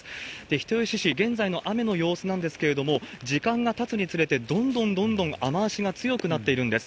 人吉市、現在の雨の様子なんですけれども、時間がたつにつれて、どんどんどんどん雨足が強くなっているんです。